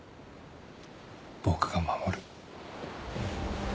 僕が守る。